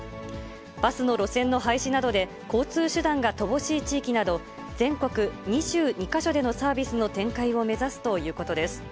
バスの路線の廃止などで交通手段が乏しい地域など、全国２２か所でのサービスの展開を目指すということです。